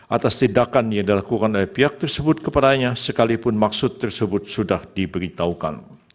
atas tindakan yang dilakukan oleh pihak tersebut kepadanya sekalipun maksud tersebut sudah diberitahukan